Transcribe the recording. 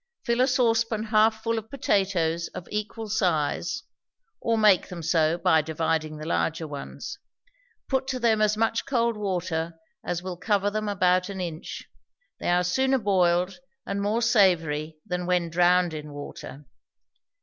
Fill a saucepan half full of potatoes of equal size (or make them so by dividing the larger ones), put to them as much cold water as will cover them about an inch; they are sooner boiled, and more savory than when drowned in water.